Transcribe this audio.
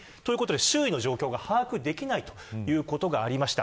周囲の状況が把握できないということがありました。